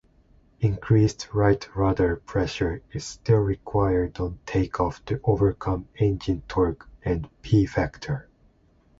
Increased right-rudder pressure is still required on takeoff to overcome engine torque and P-factor.